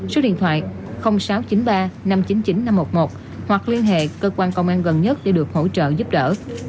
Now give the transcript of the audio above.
số điện thoại sáu trăm chín mươi ba năm trăm chín mươi chín nghìn năm trăm một mươi một hoặc liên hệ cơ quan công an gần nhất để được hỗ trợ giúp đỡ